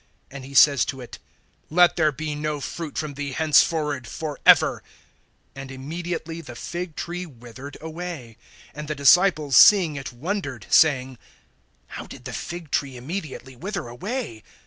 And he says to it: Let there be no fruit from thee henceforward, forever. And immediately the fig tree withered away. (20)And the disciples seeing it wondered, saying: How did the fig tree immediately wither away?